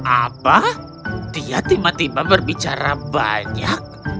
apa dia tiba tiba berbicara banyak